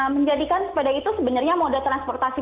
menjadikan sepeda itu sebenarnya moda transportasi